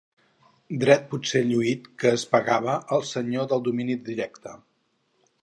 Dret potser lluït que es pagava al senyor del domini directe.